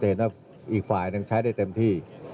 เห็นว่าอีกฝ่ายหนึ่งใช้ได้เต็มที่